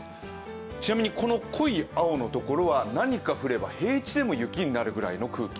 ちなみに濃い青の所は何か降れば平地でも雪になるくらいの空気。